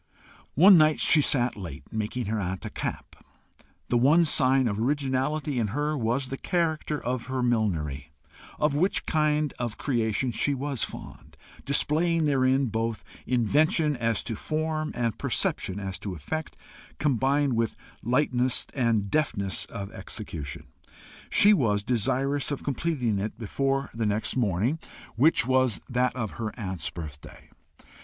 One night she sat late, making her aunt a cap. The one sign of originality in her was the character of her millinery, of which kind of creation she was fond, displaying therein both invention as to form, and perception as to effect, combined with lightness and deftness of execution. She was desirous of completing it before the next morning, which was that of her aunt's birthday.